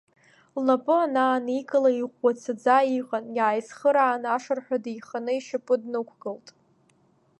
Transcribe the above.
Лнапы анааникыла иӷәӷәацаӡа иҟан, иааицхыраан ашырҳәа деиханы ишьапы днықәгылт.